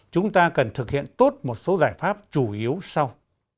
chúng ta cần thực hiện tốt một số giải pháp chủ yếu sau